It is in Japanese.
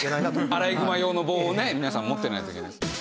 アライグマ用の棒をね皆さん持ってないといけない。